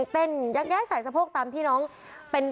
เป็นลุคใหม่ที่หลายคนไม่คุ้นเคย